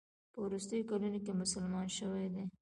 په وروستیو کلونو کې مسلمان شوی دی.